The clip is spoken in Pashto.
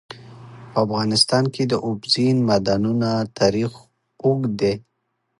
په افغانستان کې د اوبزین معدنونه تاریخ اوږد دی.